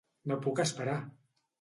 No puc esperar!